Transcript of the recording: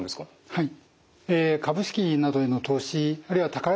はい。